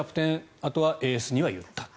あとはエースには言ったと。